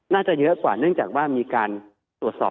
น่าจะเยอะกว่าเนื่องจากว่ามีการตรวจสอบ